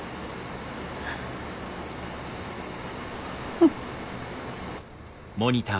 うん。